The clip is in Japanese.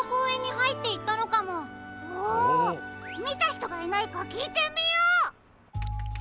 みたひとがいないかきいてみよう！